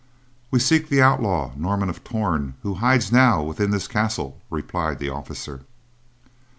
"We seek the outlaw, Norman of Torn, who hides now within this castle," replied the officer.